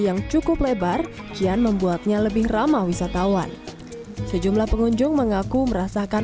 yang cukup lebar kian membuatnya lebih ramah wisatawan sejumlah pengunjung mengaku merasakan